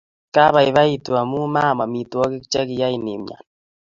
Kabaibaitu amu maam amitwokik chekiyai imyan